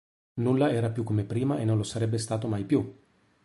Nulla era più come prima e non lo sarebbe stato mai più!